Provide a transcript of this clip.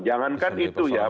jangankan itu ya